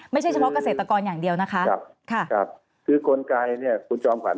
ไม่ใช่เฉพาะเกษตรกรอย่างเดียวนะคะค่ะคือคนไกนี่คุณจอมฝัน